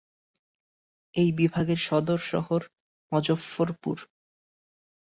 এই বিভাগের সদর শহর মজফফরপুর।